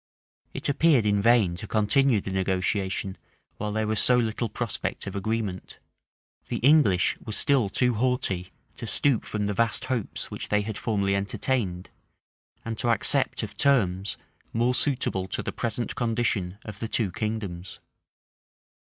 It appeared in vain to continue the negotiation while there was so little prospect of agreement. The English were still too haughty to stoop from the vast hopes which they had formerly entertained, and to accept of terms more suitable to the present condition of the two kingdoms.